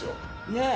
ねえ。